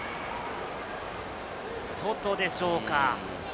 外でしょうか？